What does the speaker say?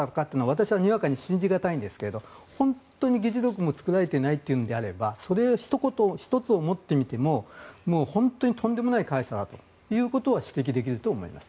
私はにわかに信じ難いんですが本当に議事録も作られていないというのであればその１つをもってみても本当にとんでもない会社だということは指摘できると思います。